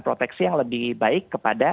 proteksi yang lebih baik kepada